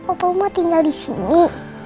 apa mau tinggal disini